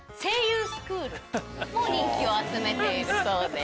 人気を集めているそうです。